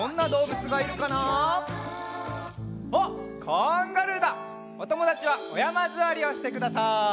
おともだちはおやまずわりをしてください。